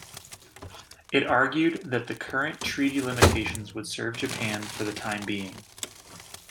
It argued that the current treaty limitations would serve Japan for the time being.